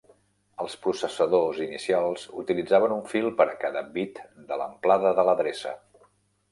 Els processadors inicials utilitzaven un fil per a cada bit de l'amplada de l'adreça.